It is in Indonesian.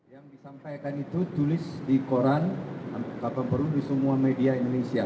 yang disampaikan itu tulis di koran kapan perlu di semua media indonesia